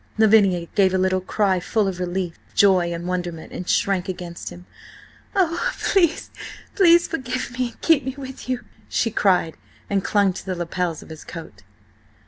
Lavinia gave a little cry full of relief, joy and wonderment, and shrank against him. "Oh, please, please forgive me and keep me with you!" she cried, and clung to the lapels of his coat.